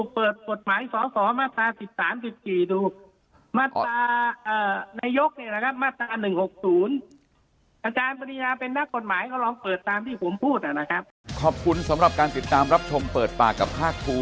เปิดบทหมายสอสอมาตรา๑๓๑๔ดู